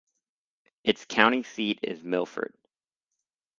Its county seat is Milford.